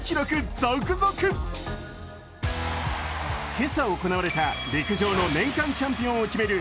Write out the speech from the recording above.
今朝行われた陸上の年間チャンピオンを決める